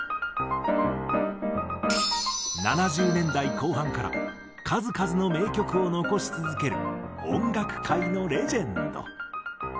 ７０年代後半から数々の名曲を残し続ける音楽界のレジェンド。